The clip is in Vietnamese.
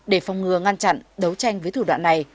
để phòng ngừa ngăn chặn đấu tranh với thủ đoạn này